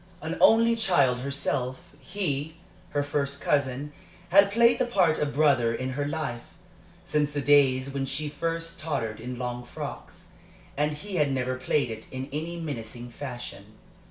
An only child herself, he, her first cousin, had played the part of brother in her life, since the days when she first tottered in long frocks, and he had never played it in any mincing fashion.